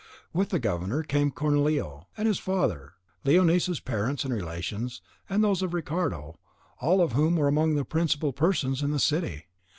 With the governor came Cornelio and his father, Leonisa's parents and relations, and those of Ricardo, all of whom were among the principal persons in the city.